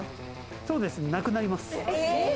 そうですね、なくなります。